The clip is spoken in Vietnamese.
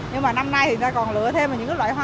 nhưng mà năm nay thì ta còn lựa thêm những loại hoa